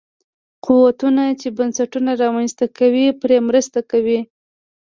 قوتونه چې بنسټونه رامنځته کوي پرې مرسته کوي.